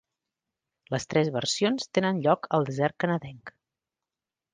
Les tres versions tenen lloc al desert canadenc.